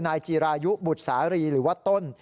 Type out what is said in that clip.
นายจีรายุบุษรีหรือว่าต้น